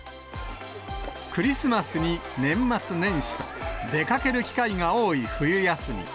クリスマスに年末年始と、出かける機会が多い冬休み。